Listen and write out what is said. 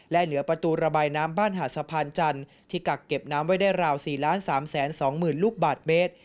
และเหลือประตูระบายน้ำบ้านหาดสะพานจันทร์ที่กักเก็บน้ำไว้ได้ราว๔๓๒๐๐๐ลูกบาทเมตร